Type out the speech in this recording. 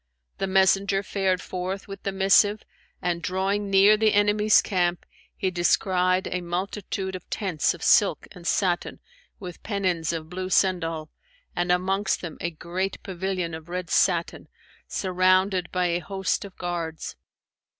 The messenger fared forth with the missive and, drawing near the enemy's camp, he descried a multitude of tents of silk and satin, with pennons of blue sendal, and amongst them a great pavilion of red satin, surrounded by a host of guards.